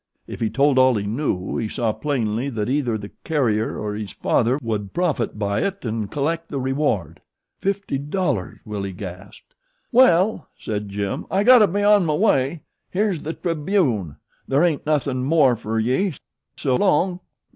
If he told all he knew he saw plainly that either the carrier or his father would profit by it and collect the reward. Fifty dollars!! Willie gasped. "Well," said Jim, "I gotta be on my way. Here's the Tribune there ain't nothin' more fer ye. So long!